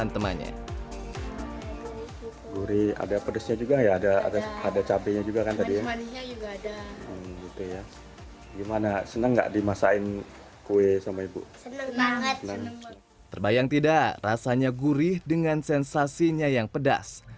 terbayang tidak rasanya gurih dengan sensasinya yang pedas